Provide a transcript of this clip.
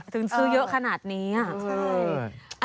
ถึงซื้อเยอะขนาดนี้อ่ะใช่